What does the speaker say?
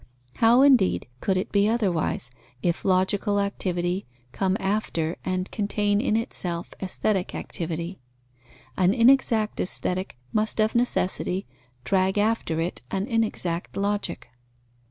How, indeed, could it be otherwise, if logical activity come after and contain in itself aesthetic activity? An inexact Aesthetic must of necessity drag after it an inexact Logic.